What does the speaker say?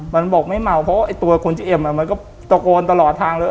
มันบอกไม่เมาเพราะว่าไอ้ตัวคนชื่อเอ็มมันก็ตะโกนตลอดทางเลย